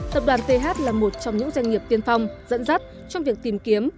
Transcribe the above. tập đoàn th là một trong những doanh nghiệp tiên phong dẫn dắt trong việc tìm kiếm